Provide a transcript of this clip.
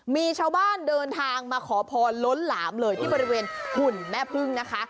มีชาวบ้านเดินทางมาขอพรล้นหลามเลยที่บริเวณหุ่นแม่พึ่งนะคะ